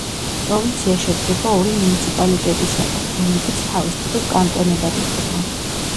პროვინცია შედგება ორი მუნიციპალიტეტისაგან, რომლებიც თავის მხრივ კანტონებად იყოფა.